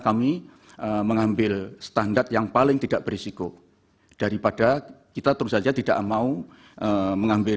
kami mengambil standar yang paling tidak berisiko daripada kita terus saja tidak mau mengambil